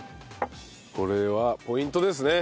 これはポイントですね。